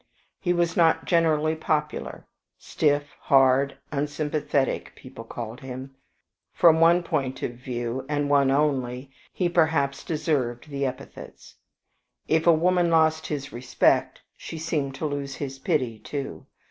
He was not generally popular stiff, hard, unsympathetic, people called him. From one point of view, and one only, he perhaps deserved the epithets. If a woman lost his respect she seemed to lose his pity too.